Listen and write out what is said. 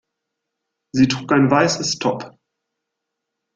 Sie trug ein weißes Top.